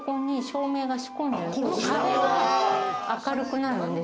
壁が明るくなるんです。